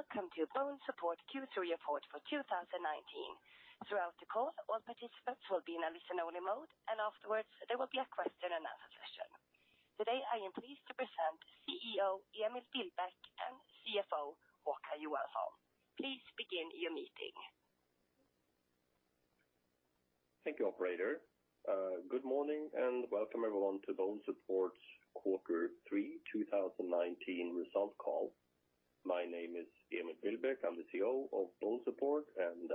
Welcome to BONESUPPORT Q3 report for 2019. Throughout the call, all participants will be in a listen-only mode. Afterwards, there will be a question and answer session. Today, I am pleased to present CEO, Emil Billbäck, and CFO, Håkan Johansson. Please begin your meeting. Thank you, operator. Good morning, and welcome everyone to BONESUPPORT quarter three, 2019 result call. My name is Emil Billbäck. I'm the CEO of BONESUPPORT, and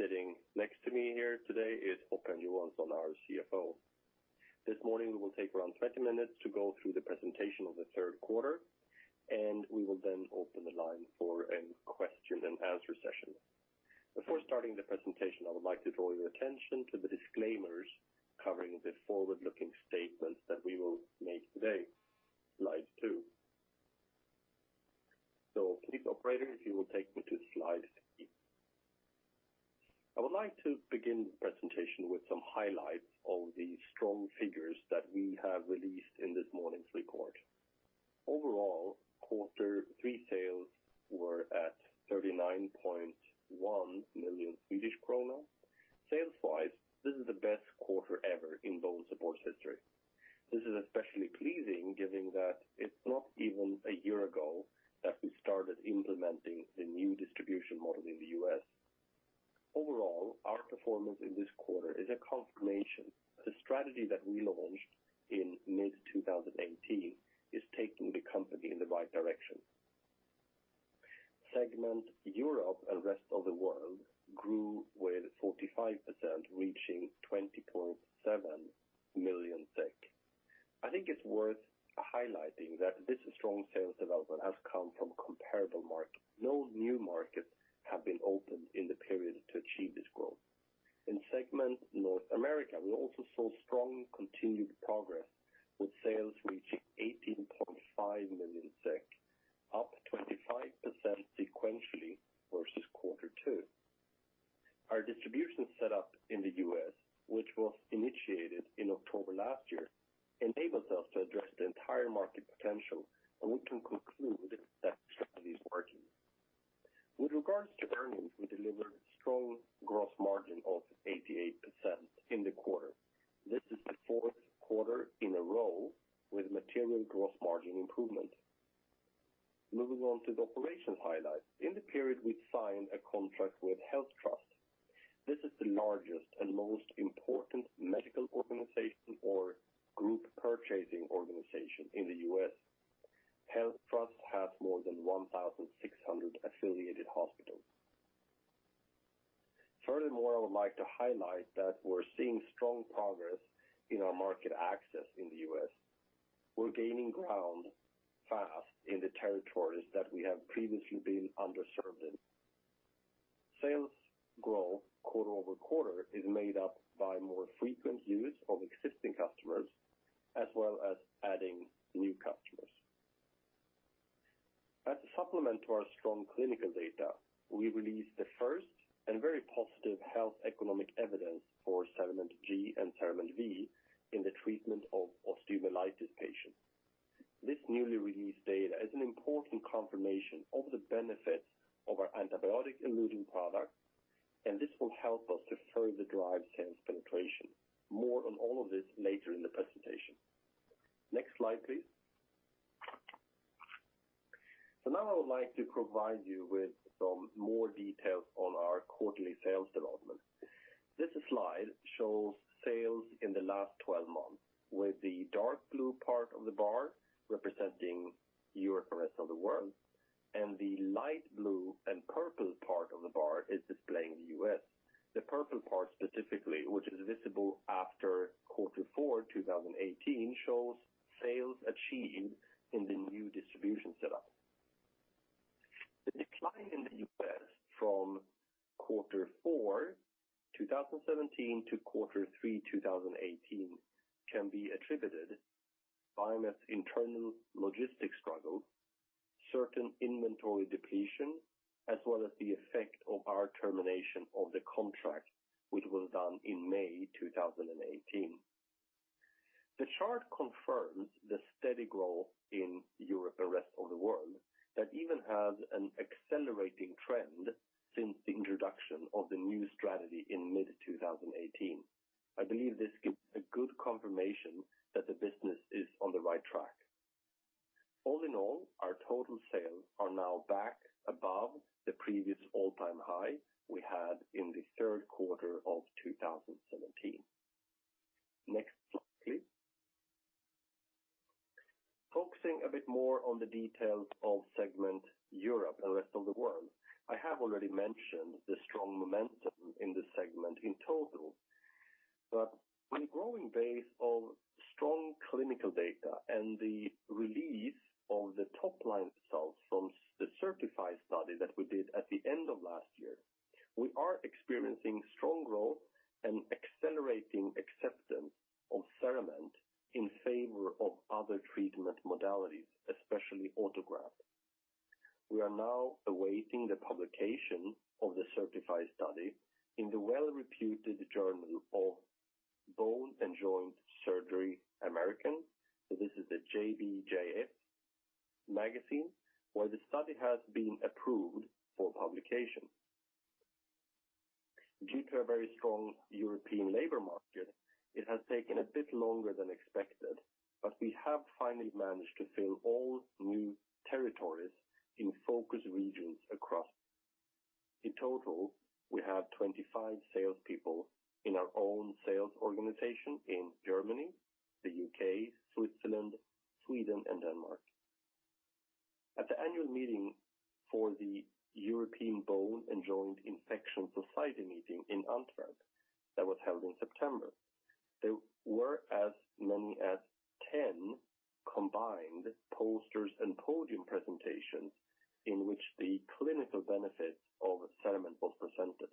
sitting next to me here today is Håkan Johansson, our CFO. This morning, we will take around 20 minutes to go through the presentation of the third quarter, and we will then open the line for a question and answer session. Before starting the presentation, I would like to draw your attention to the disclaimers covering the forward-looking statements that we will make today. Slide two. Please, operator, if you will take me to slide three. I would like to begin the presentation with some highlights of the strong figures that we have released in this report. Quarter three sales were at 39.1 million Swedish krona. Sales-wise, this is the best quarter ever in BONESUPPORT's history. This is especially pleasing, given that it's not even a year ago that we started implementing the new distribution model in the U.S. Overall, our performance in this quarter is a confirmation. The strategy that we launched in mid-2018 is taking the company in the right direction. Segment Europe and Rest of the World grew with 45%, reaching 20.7 million. I think it's worth highlighting that this strong sales development has come from comparable markets. No new markets have been opened in the period to achieve this growth. In segment North America, we also saw strong continued progress, with sales reaching 18.5 million SEK, up 25% sequentially versus quarter two. Our distribution setup in the U.S., which was initiated in October last year, enables us to address the entire market potential. We can conclude that strategy is working. With regards to earnings, we delivered strong gross margin of 88% in the quarter. This is the fourth quarter in a row with material gross margin improvement. Moving on to the operation highlights. In the period, we signed a contract with HealthTrust. This is the largest and most important medical organization or group purchasing organization in the U.S. HealthTrust has more than 1,600 affiliated hospitals. I would like to highlight that we're seeing strong progress in our market access in the U.S. We're gaining ground fast in the territories that we have previously been underserved in. Sales growth quarter-over-quarter is made up by more frequent use of existing customers, as well as adding new customers. As a supplement to our strong clinical data, we released the first and very positive health economic evidence for CERAMENT G and CERAMENT V in the treatment of osteomyelitis patients. This newly released data is an important confirmation of the benefits of our antibiotic-eluting product, and this will help us to further drive sales penetration. More on all of this later in the presentation. Next slide, please. Now I would like to provide you with some more details on our quarterly sales development. This slide shows sales in the last 12 months, with the dark blue part of the bar representing Europe and rest of the world, and the light blue and purple part of the bar is displaying the U.S. The purple part specifically, which is visible after Q4 2018, shows sales achieved in the new distribution setup. The decline in the U.S. from Q4 2017 to Q3 2018, can be attributed by internal logistics struggles, certain inventory depletion, as well as the effect of our termination of the contract, which was done in May 2018. The chart confirms the steady growth in Europe and rest of the world, that even has an accelerating trend since the introduction of the new strategy in mid-2018. I believe this gives a good confirmation that Sweden and Denmark. At the annual meeting for the European Bone and Joint Infection Society meeting in Antwerp, that was held in September, there were as many as 10 combined posters and podium presentations, in which the clinical benefits of the CERAMENT was presented.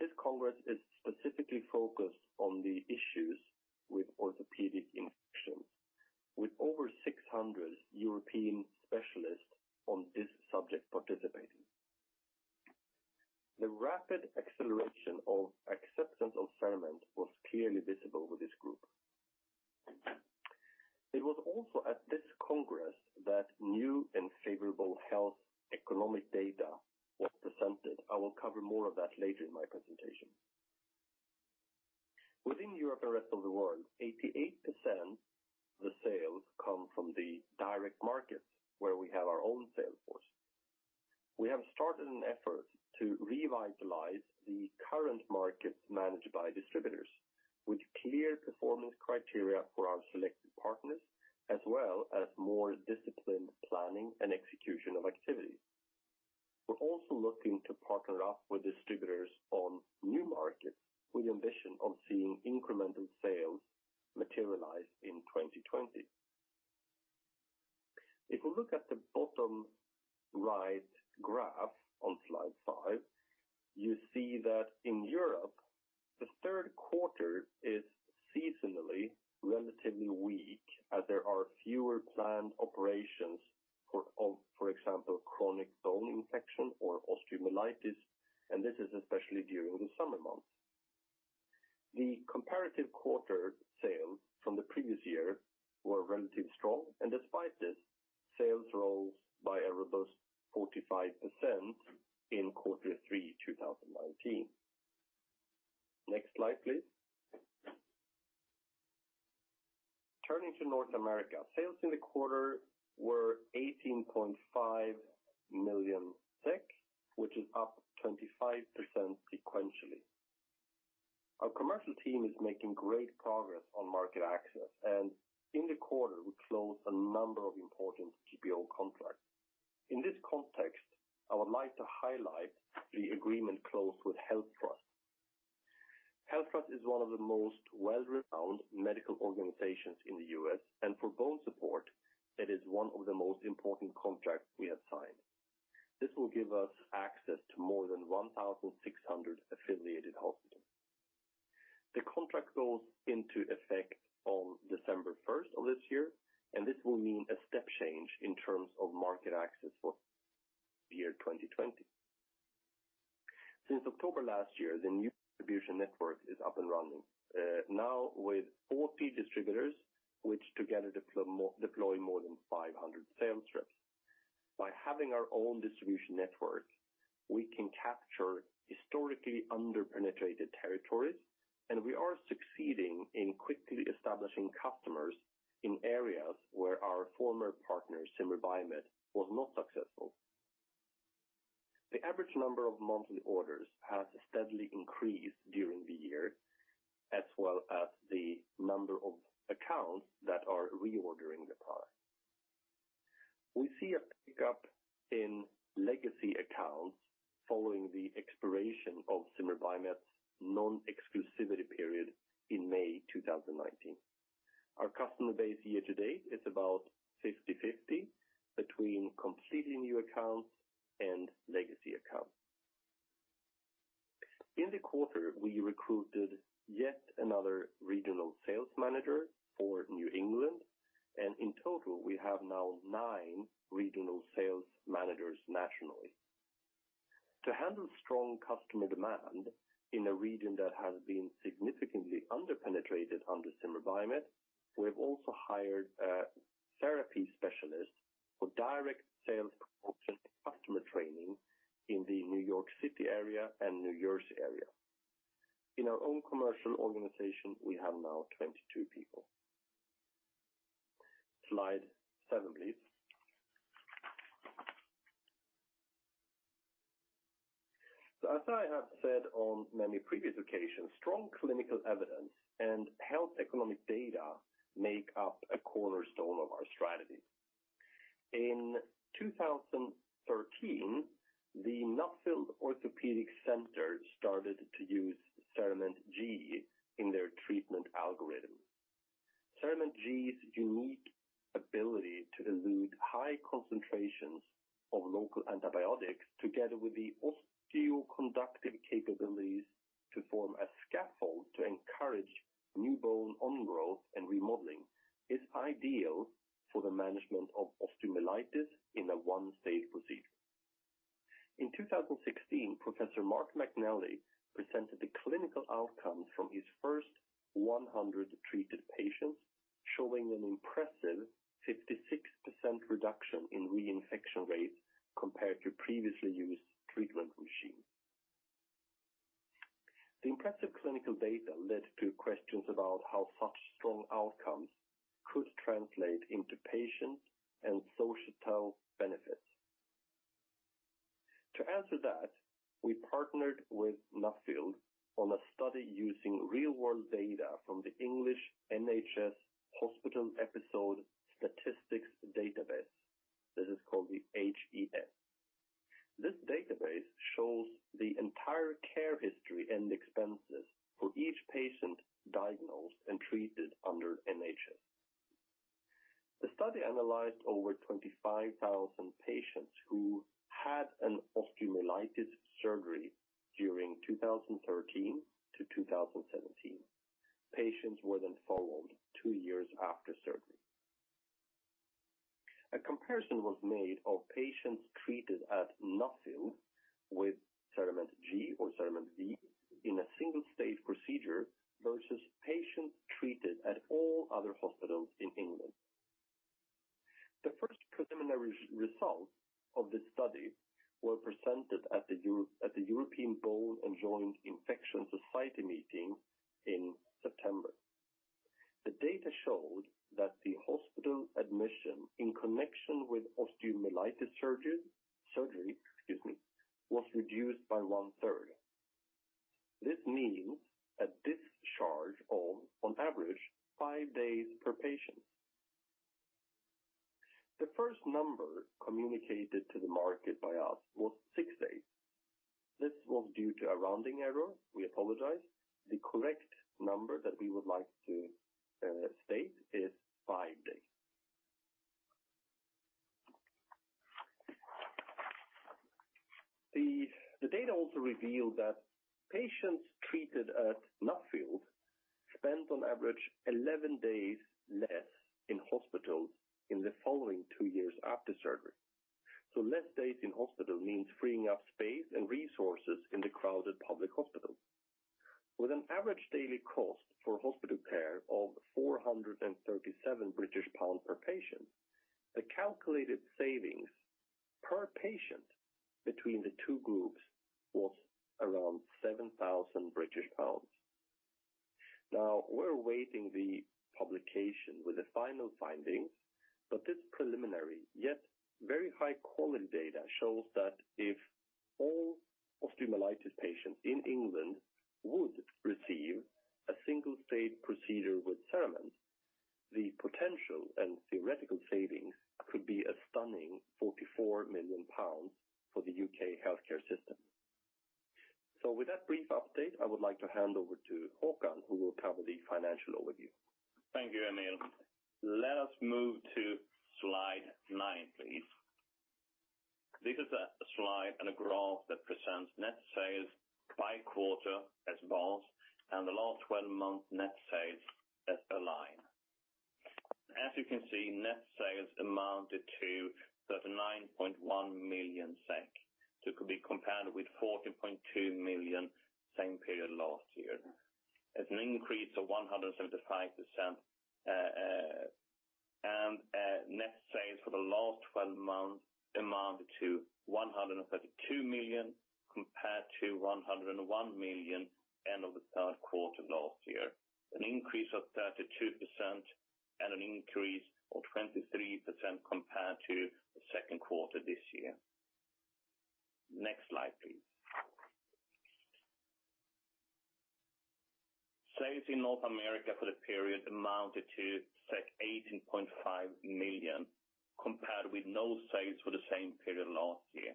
This congress is specifically focused on the issues with orthopedic infections, with over 600 European specialists HealthTrust. HealthTrust is one of the most well-renowned medical organizations in the U.S., and for BONESUPPORT, it is one of the most important contracts we have signed. This will give us access to more than 1,600 affiliated hospitals. The contract goes into effect on December 1st of this year, and this will mean a step change in terms of market access for the year 2020. Since October last year, the new distribution network is up and running, now with 40 distributors, which together deploy more than 500 sales reps. By having our own distribution network, we can capture historically under-penetrated territories, and we are succeeding in quickly establishing customers in areas where our former partner, Zimmer Biomet, was not successful. The average number of monthly orders has steadily increased during the year, as well as the number of accounts that are reordering the product. We see a pick-up in legacy accounts following the expiration of Zimmer Biomet's non-exclusivity period in May 2019. Our customer base year-to-date is about 50/50, between completely new accounts and legacy accounts. In the quarter, we recruited yet another regional sales manager for New England, and in total, we have now nine regional sales managers nationally. To handle strong customer demand in a region that has been significantly under-penetrated under Zimmer Biomet, we have also hired a therapy specialist for direct sales promotion and customer training in the New York City area and New Jersey area. In our own commercial organization, we have now 22 people. Slide seven, please. As I have said on many previous occasions, strong clinical evidence and health economic data make up a cornerstone of our strategy. In 2013, the Nuffield Orthopaedic Centre started to use CERAMENT G in their treatment algorithm. CERAMENT G's unique ability to elute high concentrations of local antibiotics, together with the osteoconductive capabilities to form a scaffold to encourage new bone on growth and remodeling, is ideal for the management of osteomyelitis in a single-stage procedure. In 2016, Professor Martin McNally presented the clinical outcomes from his first 100 treated patients, showing an impressive 56% reduction in reinfection rates compared to previously used treatment machine. The impressive clinical data led to questions about how such strong outcomes could translate into patient and societal benefits. To answer that, we partnered with Nuffield on a study using real-world data from the English NHS Hospital Episode Statistics database. This is called the HES. This database shows the entire care history and expenses for each patient diagnosed and treated under NHS. The study analyzed over 25,000 patients who had an osteomyelitis surgery during 2013-2017. Patients were then followed two years after surgery. A comparison was made of patients treated at Nuffield with CERAMENT G or CERAMENT V in a single-stage procedure, versus patients treated at all other hospitals in England. The first preliminary result of this study were presented at the European Bone and Joint Infection Society meeting in September. The data showed that the hospital admission in connection with osteomyelitis surgery was reduced by 1/3. This means a discharge of, on average, five days per patient. The first number communicated to the market by us was six days. This was due to a rounding error. We apologize. The correct number that we would like to state is five days. The data also revealed that patients treated at Nuffield spent on average 11 days less in hospitals in the following two years after surgery. Less days in hospital means freeing up space and resources in the crowded public hospitals. With an average daily cost for hospital care of 437 British pounds per patient, the calculated savings per patient between the two groups was around 7,000 British pounds. We're awaiting the publication with the final findings, but this preliminary, yet very high-quality data, shows that if all osteomyelitis patients in England would receive a single-stage procedure with CERAMENT, the potential and theoretical savings could be a stunning 44 million pounds for the UK healthcare system. With that brief update, I would like to hand over to Håkan, who will cover the financial overview. Thank you, Emil. Let us move to slide nine, please. This is a slide and a graph that presents net sales by quarter as bars and the last 12-month net sales as a line. As you can see, net sales amounted to 39.1 million SEK. It could be compared with 14.2 million, same period last year. It's an increase of 175%. Net sales for the last 12 months amounted to 132 million, compared to 101 million end of the third quarter last year. Increase of 32% and an increase of 23% compared to the second quarter this year. Next slide, please. Sales in North America for the period amounted to 18.5 million, compared with no sales for the same period last year.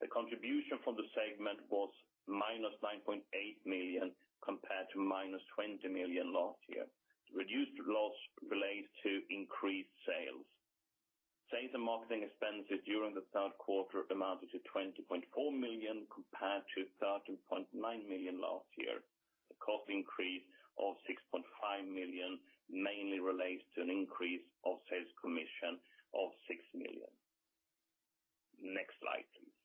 The contribution from the segment was -9.8 million, compared to -20 million last year. Reduced loss relates to increased sales. Sales and marketing expenses during the third quarter amounted to 20.4 million, compared to 13.9 million last year. The cost increase of 6.5 million mainly relates to an increase of sales commission of 6 million. Next slide, please.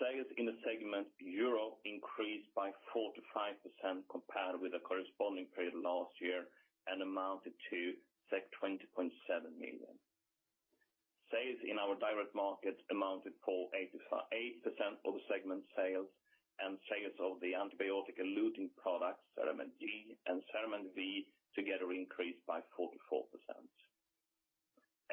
Sales in the segment Europe increased by 45% compared with the corresponding period last year and amounted to 20.7 million. Sales in our direct markets amounted for 88% of the segment's sales, and sales of the antibiotic-eluting products, CERAMENT G and CERAMENT V, together increased by 44%.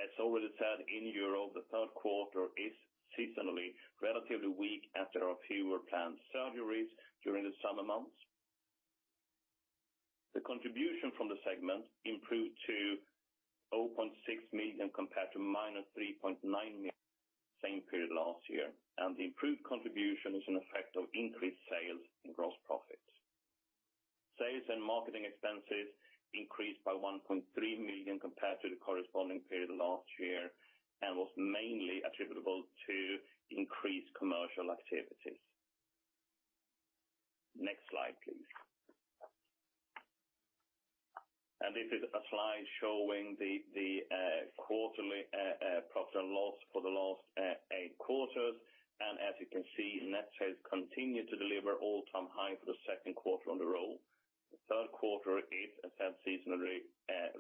As already said, in Europe, the third quarter is seasonally relatively weak after a fewer planned surgeries during the summer months. The contribution from the segment improved to 0.6 million, compared to -3.9 million, same period last year. The improved contribution is an effect of increased sales and gross profits. Sales and marketing expenses increased by 1.3 million compared to the corresponding period last year, and was mainly attributable to increased commercial activities. Next slide, please. This is a slide showing the quarterly profit and loss for the last eight quarters. As you can see, net sales continue to deliver all-time high for the second quarter on the row. The third quarter is seasonally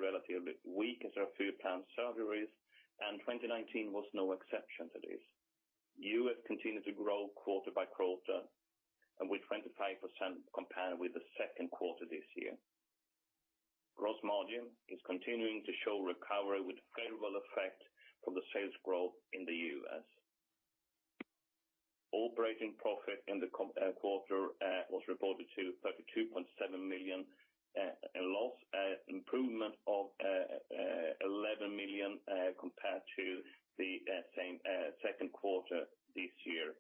relatively weak as there are few planned surgeries, and 2019 was no exception to this. U.S. continued to grow quarter by quarter, and with 25% compared with the second quarter this year. Gross margin is continuing to show recovery with favorable effect from the sales growth in the U.S. Operating profit in the quarter was reported to 32.7 million, a loss improvement of 11 million compared to the same second quarter this year.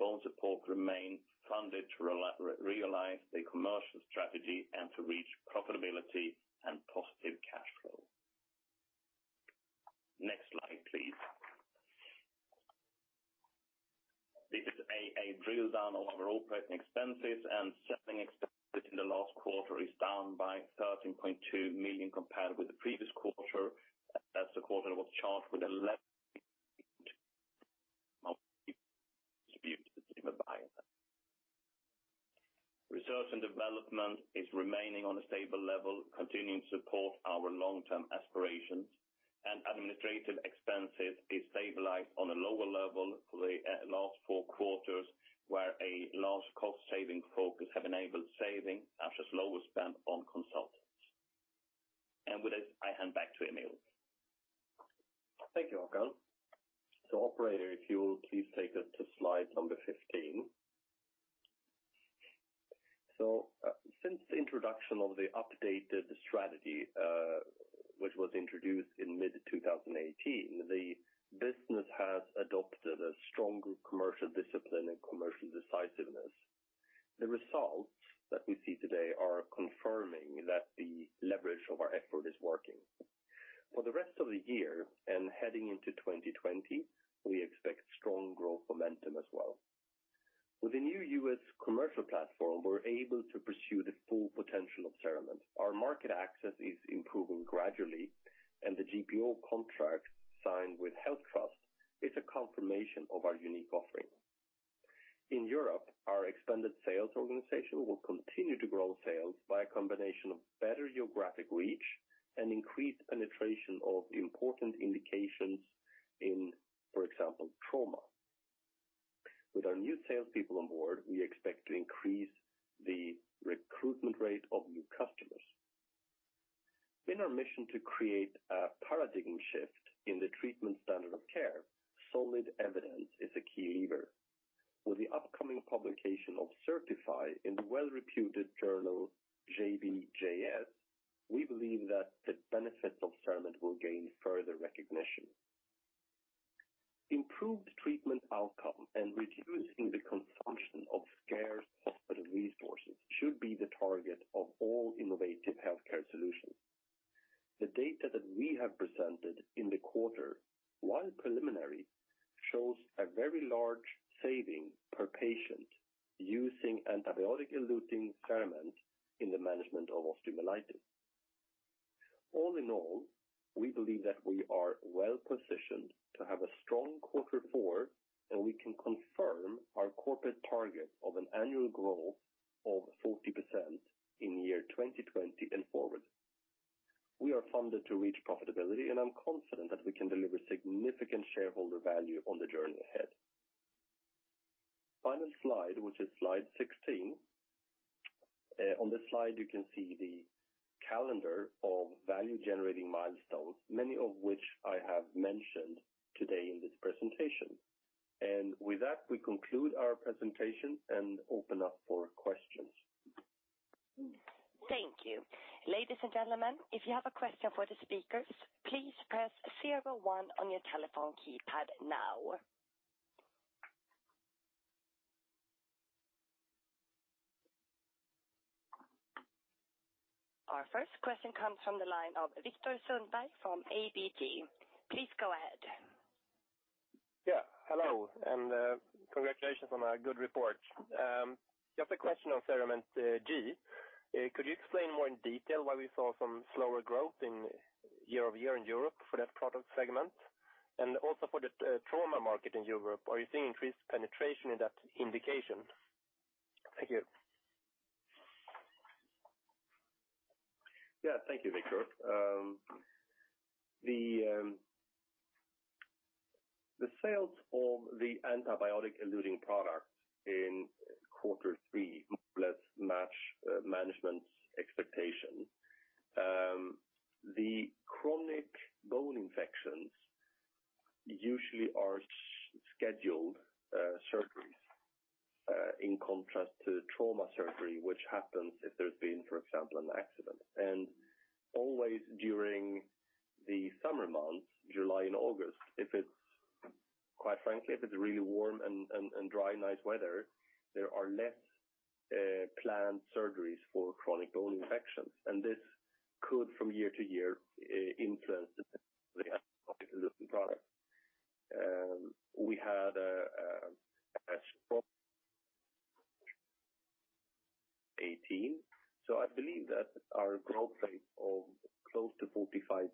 BONESUPPORT remained funded to realize the commercial strategy and to reach profitability and positive cash flow. Next slide, please. This is a drill down on our operating expenses. Selling expenses in the last quarter is down by 13.2 million compared with the previous quarter, as the quarter was charged with 11. Research and Development is remaining on a stable level, continuing to support our long-term aspirations. Administrative expenses is stabilized on a lower level for the last four quarters, where a large cost-saving focus have enabled saving after slower spend on consultants. With this, I hand back to Emil. Thank you, Håkan. Operator, if you will please take us to slide number 15. Since the introduction of the updated strategy, which was introduced in mid 2018, the business has adopted a stronger commercial discipline and commercial decisiveness. The results that we see today are confirming that the leverage of our effort is working. For the rest of the year and heading into 2020, we expect strong growth momentum as well. With the new U.S. commercial platform, we're able to pursue the full potential of CERAMENT. Our market access is improving gradually. The GPO contract signed with HealthTrust is a confirmation of our unique offering. In Europe, our expanded sales organization will continue to grow sales by a combination of better geographic reach and increased penetration of important indications in, for example, trauma. With our new salespeople on board, we expect to increase the recruitment rate of new customers. In our mission to create a paradigm shift in the treatment standard of care, solid evidence is a key lever. With the upcoming publication of CERTiFy in the well-reputed journal JBJS, we believe that the benefits of CERAMENT will gain further recognition. Improved treatment outcome and reducing the consumption of scarce hospital resources should be the target of all innovative healthcare solutions. The data that we have presented in the quarter, while preliminary, shows a very large saving per patient using antibiotic-eluting CERAMENT in the management of osteomyelitis. We believe that we are well positioned to have a strong quarter four, and we can confirm our corporate target of an annual growth of 40% in year 2020 and forward. We are funded to reach profitability, and I'm confident that we can deliver significant shareholder value on the journey ahead. Final slide, which is slide 16. On this slide, you can see the calendar of value-generating milestones, many of which I have mentioned today in this presentation. With that, we conclude our presentation and open up for questions. Thank you. Ladies and gentlemen, if you have a question for the speakers, please press zero one on your telephone keypad now. Our first question comes from the line of Viktor Sundberg from ABG. Please go ahead. Yeah, hello, congratulations on a good report. Just a question on CERAMENT G. Could you explain more in detail why we saw some slower growth in year-over-year in Europe for that product segment? Also for the trauma market in Europe, are you seeing increased penetration in that indication? Thank you. Yeah, thank you, Viktor. The sales of the antibiotic-eluting products in quarter three, less match management's expectation. The chronic bone infections usually are scheduled surgeries, in contrast to trauma surgery, which happens if there's been, for example, an accident. Always during the summer months, July and August, if it's really warm and dry, nice weather, there are less planned surgeries for chronic bone infections, and this could, from year-to-year, influence the product. We had a strong 18. I believe that our growth rate of close to 45%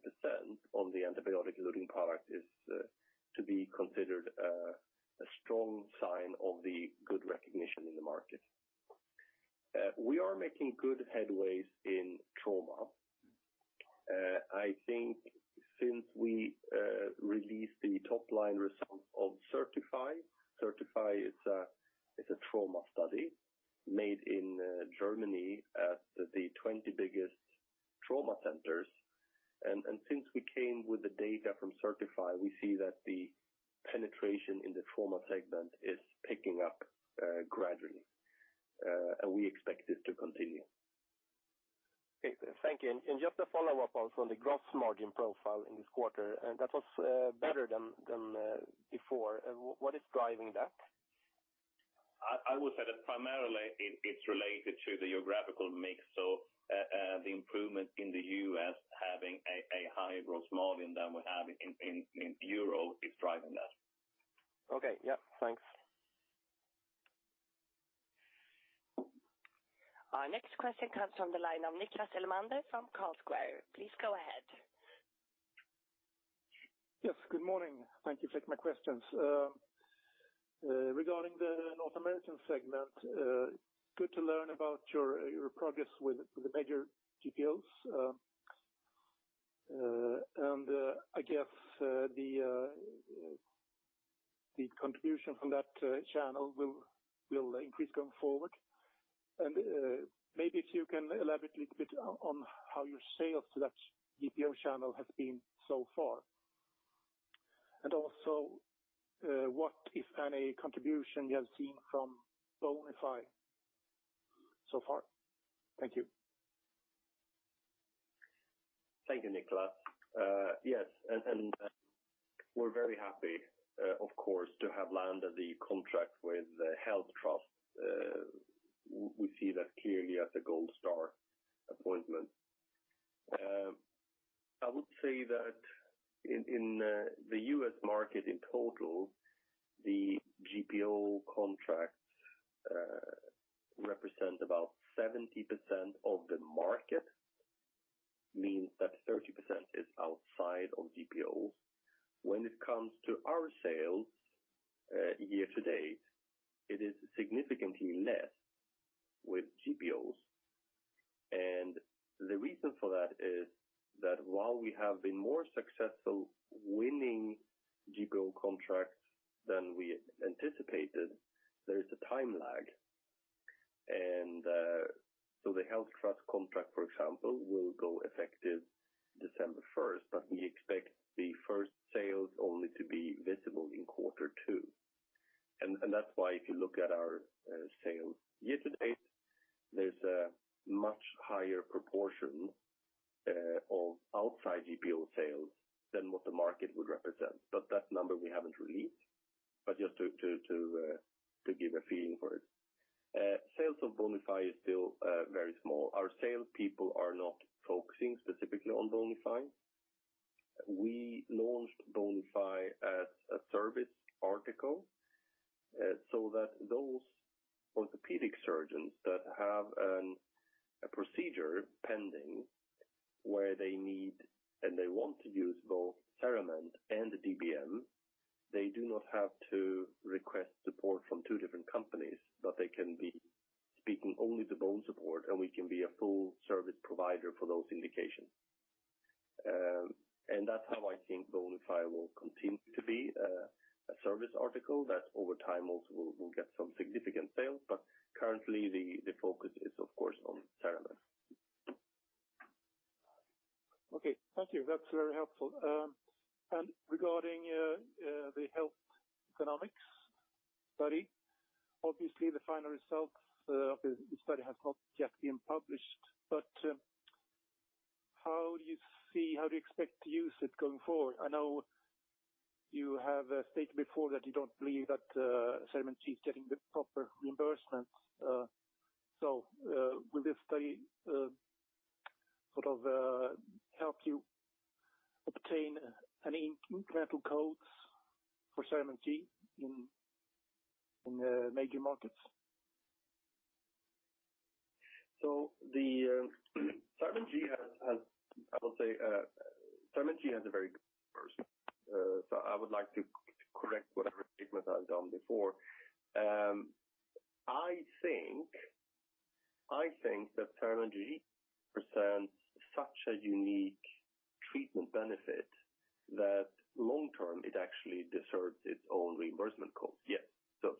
Our next question comes from the line of Niklas Elmhammar from Carlsquare. Please go ahead. Yes, good morning. Thank you for taking my questions. Regarding the North American segment, good to learn about your progress with the major GPOs. I guess the contribution from that channel will increase going forward. Maybe if you can elaborate a little bit on how your sales to that GPO channel has been so far? Also, what, if any, contribution you have seen from BONIFY so far? Thank you. Thank you, Niklas. Yes, and we're very happy, of course, to have landed the contract with HealthTrust. We see that clearly as a gold star appointment. I would say that in the U.S. market in total, the GPO contracts represent about 70% of the market, means that 30% is outside of GPOs. When it comes to our sales, year-to-date, it is significantly less with GPOs. The reason for that is that while we have been more successful winning GPO contracts than we anticipated, there is a time lag. The HealthTrust contract, for example, will go effective December first, but we expect the first sales only to be visible in quarter two. That's why if you look at our sales year-to-date, there's a much higher proportion of outside GPO sales than what the market would represent. That number we haven't released. Just to give a feeling for it. Sales of BONIFY is still very small. Our sales people are not focusing specifically on BONIFY. We launched BONIFY as a service article, so that those orthopedic surgeons that have a procedure pending where they need and they want to use both CERAMENT and DBM, they do not have to request support from two different companies, but they can be speaking only the BONESUPPORT, and we can be a full service provider for those indications. That's how I think BONIFY will continue to be, a service article that over time also will get some significant sales. Currently, the focus is, of course, on CERAMENT. Okay, thank you. That's very helpful. Regarding the health economics study, obviously, the final results of the study has not yet been published, but how do you expect to use it going forward? I know you have stated before that you don't believe that CERAMENT is getting the proper reimbursements. Will this study sort of help you obtain any incremental codes for CERAMENT G in the major markets? CERAMENT G has a very good person. I would like to correct whatever statement I've done before. I think that CERAMENT G presents such a unique treatment benefit that long term, it actually deserves its own reimbursement cost. Yes. I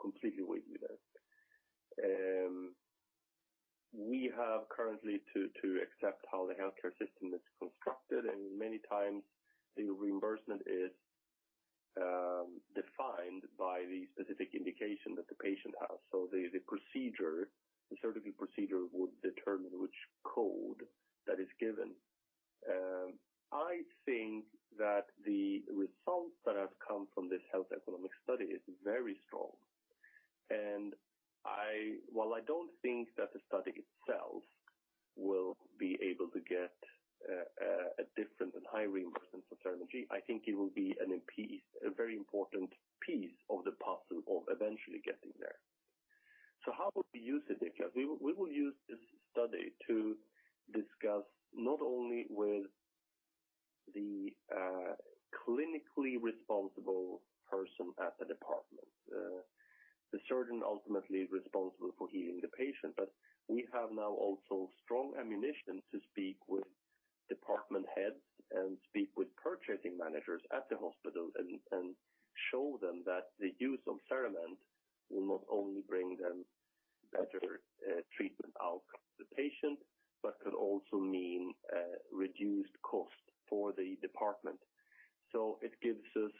completely agree with you there. We have currently to accept how the healthcare system is constructed, and many times the reimbursement is defined by the specific indication that the patient has. The procedure, the surgical procedure would determine which code that is given. I think that the results that have come from this health economic study is very strong. While I don't think that the study itself will be able to get a different and high reimbursement for CERAMENT G, I think it will be a very important piece of the puzzle of eventually getting there. How would we use it, Didier? We will use this study to discuss not only with the clinically responsible person at the department, the surgeon ultimately responsible for healing the patient, but we have now also strong ammunition to speak with department heads and speak with purchasing managers at the hospital and show them that the use of CERAMENT will not only bring them better treatment outcomes to the patient, but could also mean reduced cost for the department. It gives us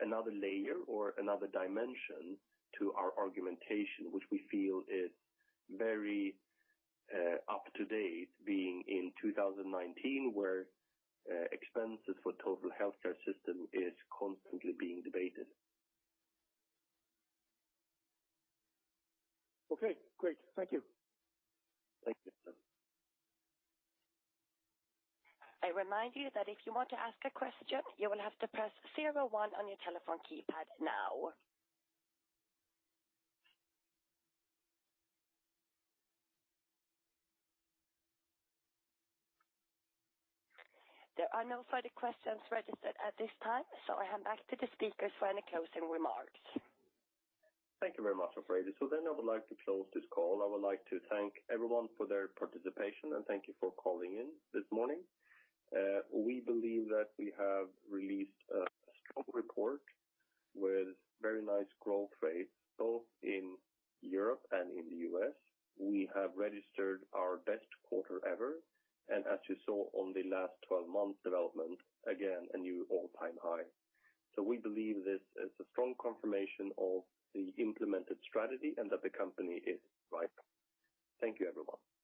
another layer or another dimension to our argumentation, which we feel is very up-to-date, being in 2019, where expenses for total healthcare system is constantly being debated. Okay, great. Thank you. Thank you. I remind you that if you want to ask a question, you will have to press zero-one on your telephone keypad now. There are no further questions registered at this time. I hand back to the speakers for any closing remarks. Thank you very much, operator. I would like to close this call. I would like to thank everyone for their participation and thank you for calling in this morning. We believe that we have released a strong report with very nice growth rates, both in Europe and in the U.S. We have registered our best quarter ever, and as you saw on the last 12 months development, again, a new all-time high. We believe this is a strong confirmation of the implemented strategy and that the company is right. Thank you, everyone. Bye-bye.